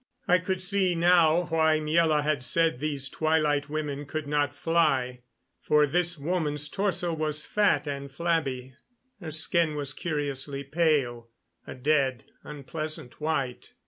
I could see now why Miela had said these Twilight women could not fly, for this woman's torso was fat and flabby. Her skin was curiously pale a dead, unpleasant white.